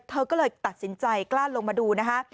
เธอก็เลยตัดสินใจกล้าลงมาดูนะคะ